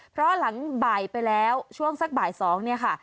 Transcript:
เพราะหลังบ่ายไปแล้วช่วงสักบ่าย๒เนี่ยค่ะ